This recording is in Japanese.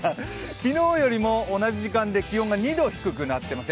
昨日よりも同じ時間で気温が２度低くなっています。